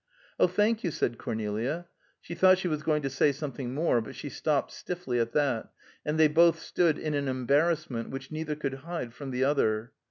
"Oh, thank you," said Cornelia. She thought she was going to say something more, but she stopped stiffly at that, and they both stood in an embarrassment which neither could hide from the other.